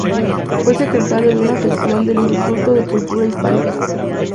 Fue secretario de una sección del Instituto de Cultura Hispánica.